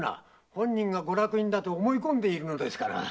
本人がご落胤だと思い込んでいるのですから。